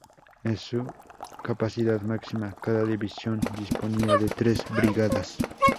En su capacidad máxima, cada división disponía de tres brigadas.